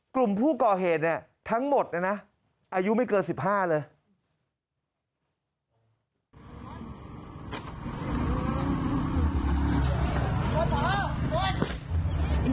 กลุ่มผู้ก่อเหตุทั้งหมดนะอายุไม่เกินสิบห้าเลย